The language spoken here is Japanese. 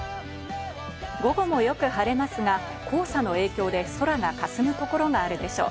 午後もよく晴れますが、黄砂の影響で空がかすむところがあるでしょう。